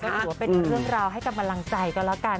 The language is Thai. ถือว่าเป็นเรื่องราวให้กำลังใจกันแล้วกัน